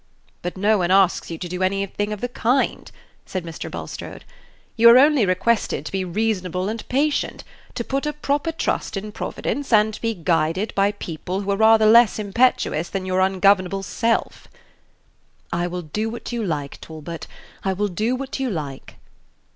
"But no one asks you to do anything of the kind," said Mr. Bulstrode. "You are only requested to be reasonable and patient, to put a proper trust in Providence, and to be guided by people who are rather less impetuous than your ungovernable self." "I will do what you like, Talbot; I will do what you like."